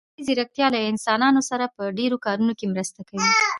مصنوعي ځيرکتيا له انسانانو سره په ډېرو کارونه کې مرسته کوي.